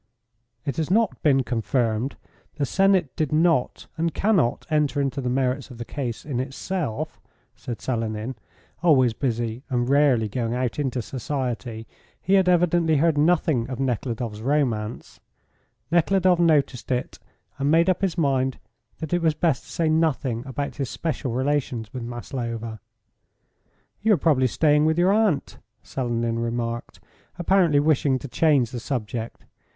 "It has not been confirmed. The Senate did not and cannot enter into the merits of the case in itself," said Selenin. Always busy and rarely going out into society, he had evidently heard nothing of Nekhludoff's romance. Nekhludoff noticed it, and made up his mind that it was best to say nothing about his special relations with Maslova. "You are probably staying with your aunt," Selenin remarked, apparently wishing to change the subject.